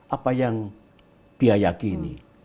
apa yang dia yakini